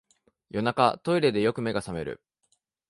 夜中、トイレでよく目が覚める